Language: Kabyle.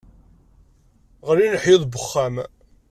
Ɣlin leḥyuḍ n wexxam.